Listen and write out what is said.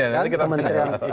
nah itu dia